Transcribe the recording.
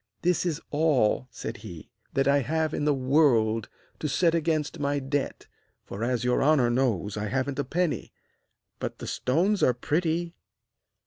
'This is all,' said he, 'that I have in the world to set against my debt, for, as your honour knows, I haven't a penny, but the stones are pretty!'